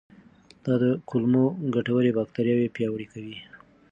دا د کولمو ګټورې باکتریاوې پیاوړې کوي.